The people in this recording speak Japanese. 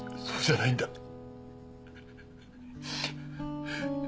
そうじゃないんだ。